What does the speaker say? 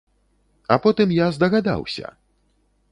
А потым я здагадаўся!